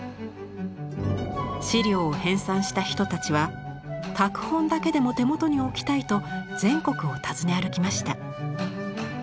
資料を編纂した人たちは拓本だけでも手元に置きたいと全国を訪ね歩きました。